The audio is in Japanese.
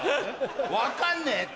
分かんねえって。